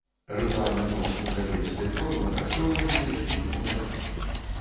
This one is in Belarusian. Рытуальны нож мудрагелістай формы археолагі знайшлі непадалёк.